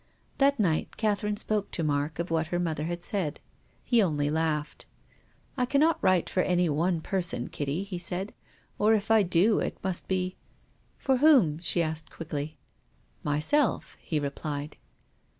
That night Catherine spoke to Mark of what her mother had said. He only laughed. " I cannot write for any one person, Kitty," he said, " or if I do it must be "" For whom ?" she asked quickly. " Myself," he replied.